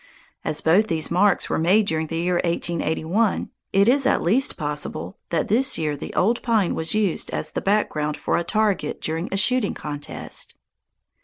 As both these marks were made during the year 1881, it is at least possible that this year the old pine was used as the background for a target during a shooting contest.